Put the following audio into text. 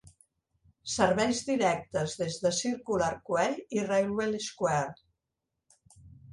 Serveis directes des de Circular Quay i Railway Square.